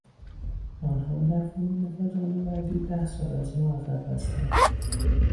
آنها در فنون فضانوردی ده سال از ما عقب هستند.